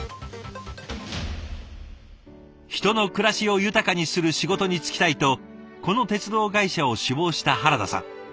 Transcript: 人の暮らしを豊かにする仕事に就きたいとこの鉄道会社を志望した原田さん。